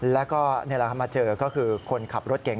แล้วก็มาเจอก็คือคนขับรถเก่ง